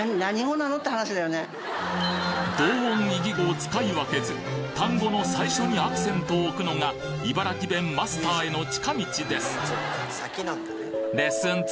同音異義語を使い分けず単語の最初にアクセントを置くのが茨城弁マスターへの近道です！